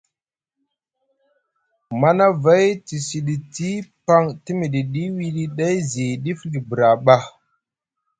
Manavay te siɗiti paŋ te miɗiɗi wiɗi ɗay zi ɗifli bra ɓa.